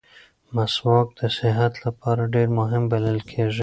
مسواک د صحت لپاره ډېر مهم بلل کېږي.